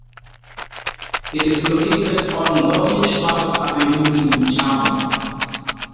It is located on Gorringe Park Avenue in Mitcham.